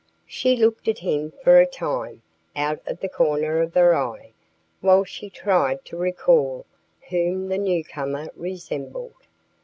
She looked at him for a time, out of the corner of her eye, while she tried to recall whom the newcomer resembled.